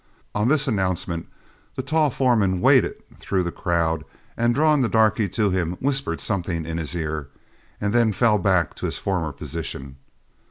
On this announcement, the tall foreman waded through the crowd, and drawing the darky to him, whispered something in his ear, and then fell back to his former position.